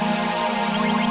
kita lelaki yang liang